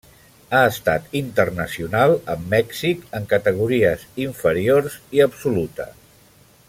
Ha estat internacional amb Mèxic en categories inferiors, i absoluta.